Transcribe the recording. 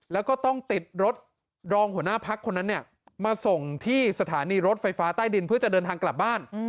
แล้วก็ต้องติดรถรองหัวหน้าพักคนนั้นเนี่ยมาส่งที่สถานีรถไฟฟ้าใต้ดินเพื่อจะเดินทางกลับบ้าน